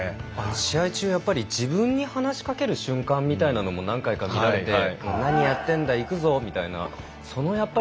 試合中、自分に話し掛ける瞬間みたいなのも何回か見られて何やってんだ、いくぞみたいな。